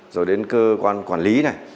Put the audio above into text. rồi đến cơ quan quản lý này